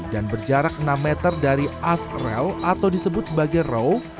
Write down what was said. dan berjarak enam meter dari as rel atau disebut sebagai row